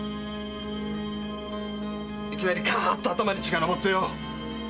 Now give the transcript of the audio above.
いきなりカーッと頭に血が上ってよ！